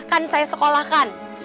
akan saya sekolahkan